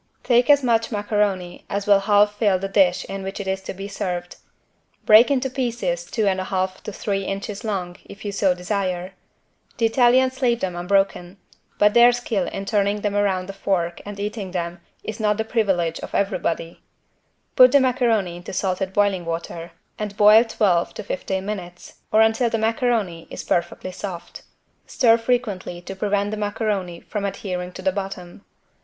Take as much macaroni as will half fill the dish in which it is to be served. Break into pieces two and a half to three inches long if you so desire. The Italians leave them unbroken, but their skill in turning them around the fork and eating them =is not the privilege of everybody=. Put the macaroni into salted boiling water, and boil twelve to fifteen minutes, or until the macaroni is perfectly soft. Stir frequently to prevent the macaroni from adhering to the bottom.